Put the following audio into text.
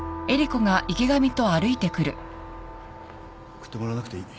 送ってもらわなくていい。